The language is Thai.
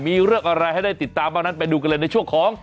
มีเริ่มอะไรให้ได้ติดตามไปดูกันเลยในช่วงของ